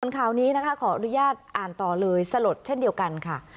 ข่าวนี้นะคะขออนุญาตอ่านต่อเลยสลดเช่นเดียวกันค่ะ